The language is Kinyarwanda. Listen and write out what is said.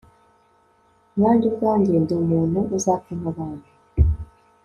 nanjye ubwanjye ndi umuntu uzapfa nk'abandi